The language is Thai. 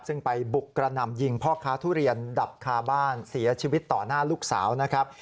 ซึ่งไปบุกกระหน่ำยิงพ่อค้าทุเรียนดับคาบ้านเสียชีวิตต่อหน้าลูกสาวนะครับ